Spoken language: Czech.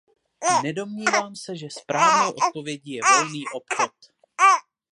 Nedomnívám se, že správnou odpovědí je volný obchod.